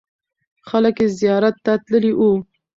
خلک یې زیارت ته تللې وو.